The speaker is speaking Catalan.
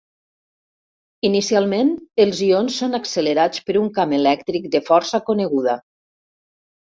Inicialment, els ions són accelerats per un camp elèctric de força coneguda.